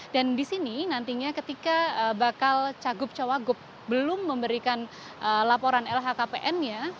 dan di sini nantinya ketika bakal cagup cawagup belum memberikan laporan lhkpn nya